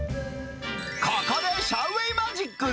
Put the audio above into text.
ここでシャウ・ウェイマジック。